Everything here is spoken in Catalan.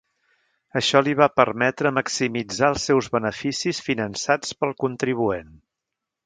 Això li va permetre maximitzar els seus beneficis finançats pel contribuent.